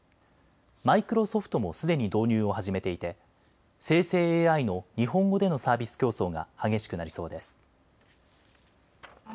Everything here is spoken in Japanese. マイクロソフトもすでに導入を始めていて生成ＡＩの日本語でのサービス競争が激しくなりそうです。